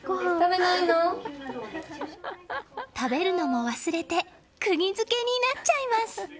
食べるのも忘れて釘付けになっちゃいます！